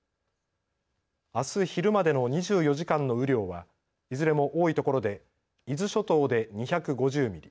あす昼までの２４時間の雨量はいずれも多いところで伊豆諸島で２５０ミリ